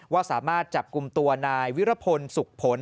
ว่าสามารถจับกลุ่มตัวนายวิรพลสุขผล